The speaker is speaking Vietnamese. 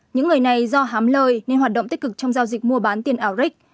những người này do hám lời nên hoạt động tích cực trong giao dịch mua bán tiền ảo ric